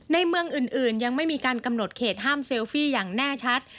ในเมืองอื่นยังไม่มีการกำหนดเขตห้ามเซลฟี่อย่างแน่ชัด